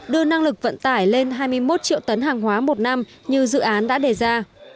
đưa năng lực vận tải lên hai mươi một triệu tấn hàng hóa một năm như dự án đã đề ra